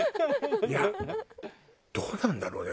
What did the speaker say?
いやどうなんだろうね？